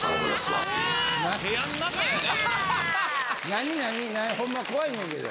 なになにホンマ怖いねんけど。